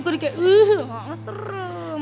kayak eehh serem